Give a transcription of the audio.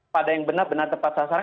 pada yang benar benar tepat sasaran